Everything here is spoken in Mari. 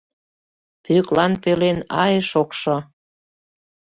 Пӧклан пелен ай, шокшо...